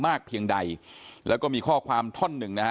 มากเพียงใดแล้วก็มีข้อความท่อนหนึ่งนะฮะ